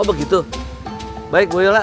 oh begitu baik bu yola